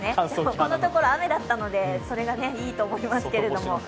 このところ、雨だったので、それがいいと思いますけど。